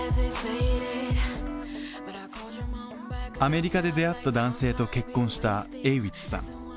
アメリカで出会った男性と結婚したＡｗｉｃｈさん。